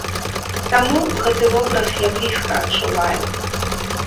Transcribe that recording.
Таму гэты вобраз я блізка адчуваю.